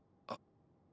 あっ。